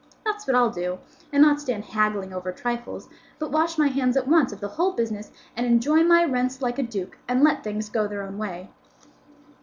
That's what I'll do, and not stand haggling over trifles, but wash my hands at once of the whole business, and enjoy my rents like a duke, and let things go their own way."